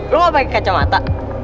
lo mau pakai kacamata